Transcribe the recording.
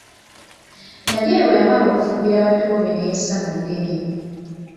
Ndagire bwe yamala okufumbira bato be neyessa mu ddene.